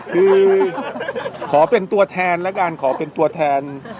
คือขอเป็นตัวแทนแล้วกันขอเป็นตัวแทน